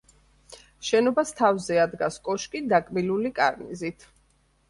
შენობას თავზე ადგას კოშკი დაკბილული კარნიზით.